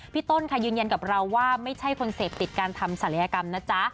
ต้นค่ะยืนยันกับเราว่าไม่ใช่คนเสพติดการทำศัลยกรรมนะจ๊ะ